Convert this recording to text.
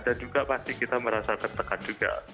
dan juga pasti kita merasa tertekan juga